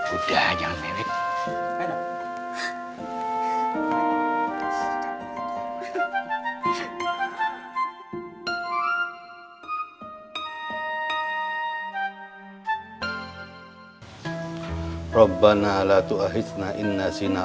udah jangan merasa